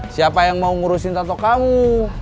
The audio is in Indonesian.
siapa yang mau ngurusin tato kamu